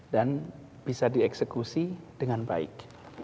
dan bisa dieksekusi dengan baik